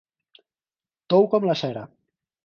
Tou com la cera.